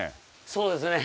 そうですね。